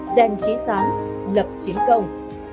gen trí sáng lập chiến công